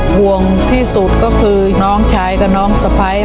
ห่วงที่สุดก็คือน้องชายกับน้องสะพ้าย